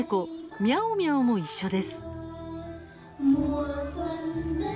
ミャオミャオも一緒です。